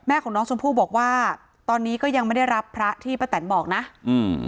ของน้องชมพู่บอกว่าตอนนี้ก็ยังไม่ได้รับพระที่ป้าแตนบอกนะอืม